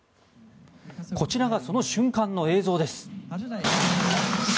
こちらがその瞬間の映像です。